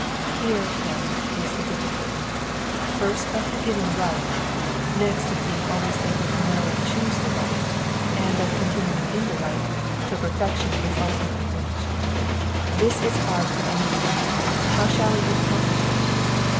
Here, then, is the difficulty, first of beginning aright, next of being always able to know and choose the right, and of continuing in the right till perfection is ulti mately reached : this is hard for any man, how shall a youth accomplish it